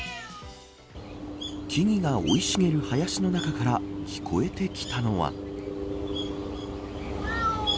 木々が生い茂る林の中から聞こえてきたのは。